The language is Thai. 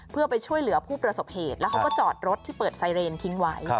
เพื่อไปช่วยเหลือผู้ประสบเหตุแล้วเขาก็จอดรถที่เปิดไซเรนทิ้งไว้